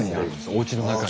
おうちの中に。